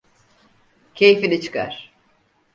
Keyfini çıkar.